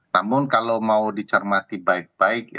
namun kalau mau dicermati baik baik